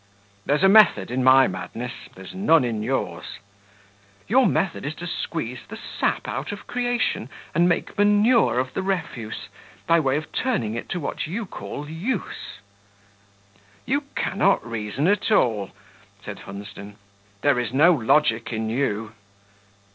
"There's a method in my madness; there's none in yours." "Your method is to squeeze the sap out of creation and make manure of the refuse, by way of turning it to what you call use." "You cannot reason at all," said Hunsden; "there is no logic in you."